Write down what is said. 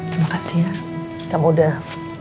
terima kasih ya kamu udah